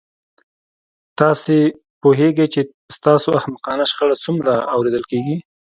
تاسو پوهیږئ چې ستاسو احمقانه شخړه څومره اوریدل کیږي